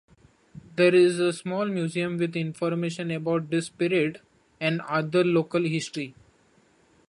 There is a small museum with information about this period and other local history.